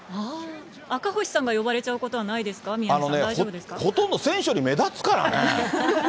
赤星さんが呼ばれちゃうことはないですか、宮根さん、大丈夫あのね、ほとんど選手より目立つからね。